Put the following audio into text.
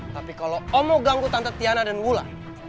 tapi kalau om mau ganggu tante tiana dan wula